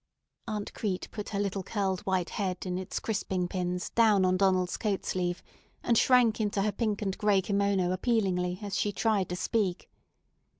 Aunt Crete put her little curled white head in its crisping pins down on Donald's coat sleeve, and shrank into her pink and gray kimono appealingly as she tried to speak.